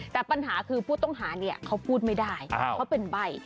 แต่ปัญหาคือผู้ต้องหาเนี่ยเขาพูดไม่ได้เขาเป็นใบ